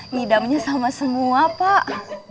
ngidamnya sama semua pak